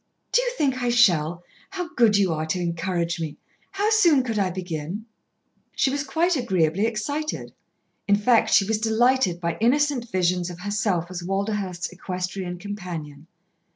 "Do you think I shall? How good you are to encourage me. How soon could I begin?" She was quite agreeably excited. In fact, she was delighted by innocent visions of herself as Walderhurst's equestrian companion.